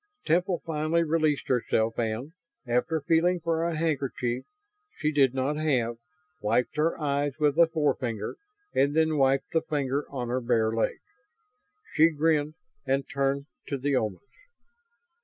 Temple finally released herself and, after feeling for a handkerchief she did not have, wiped her eyes with a forefinger and then wiped the finger on her bare leg. She grinned and turned to the Omans.